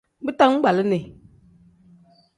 Bitangbalini.